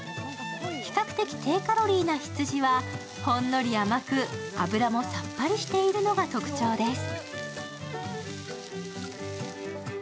比較的低カロリーな羊はほんのり甘く、脂もさっぱりしているのが特徴です。